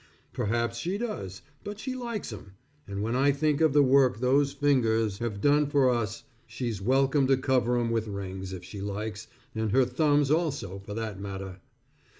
Perhaps she does, but she likes 'em, and when I think of the work those fingers have done for us, she's welcome to cover 'em with rings, if she likes, and her thumbs also for that matter.